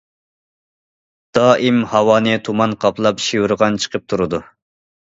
دائىم ھاۋانى تۇمان قاپلاپ شىۋىرغان چىقىپ تۇرىدۇ.